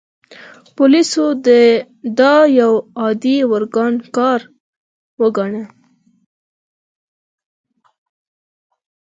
پولیسو دا یو عادي ورانکار کار وګاڼه.